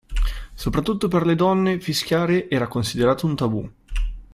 Soprattutto per le donne fischiare era considerato un tabù.